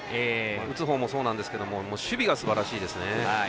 打つ方もそうなんですけれども守備がすばらしいです。